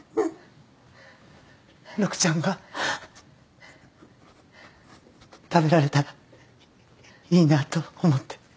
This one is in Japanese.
陸ちゃんが食べられたらいいなぁと思って